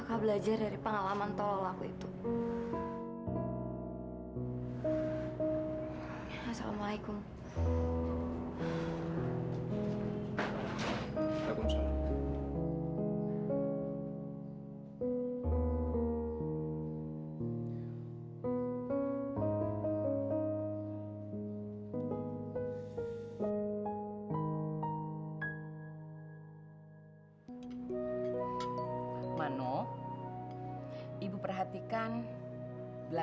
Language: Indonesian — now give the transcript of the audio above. sampai jumpa di video selanjutnya